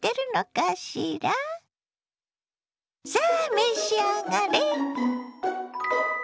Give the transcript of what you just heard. さあ召し上がれ！